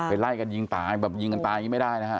ไปไล่กันยิงตายยิงกันตายไม่ได้นะครับ